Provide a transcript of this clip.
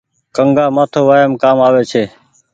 ڪنگآ مآٿو وآئم ڪآم آوي ڇي۔